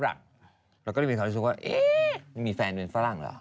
เราก็รีวินเขาที่สู้ว่าเอ๊๊ไม่มีแฟนเป็นฝรั่งหรอก